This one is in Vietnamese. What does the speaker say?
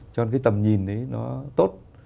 cho nên cái tầm nhìn đấy nó tốt